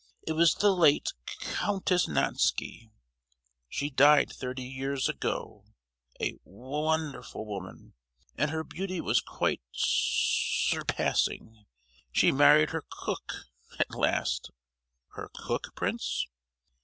It was the late C—ountess Nainsky: she died thirty years ago, a w—onderful woman, and her beauty was quite sur—passing. She married her co—ook at last." "Her cook, prince?"